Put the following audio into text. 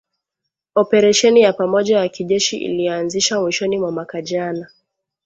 operesheni ya pamoja ya kijeshi iliyoanzishwa mwishoni mwa mwaka jana